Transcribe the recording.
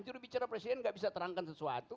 juru bicara presiden enggak bisa terangkan sesuatu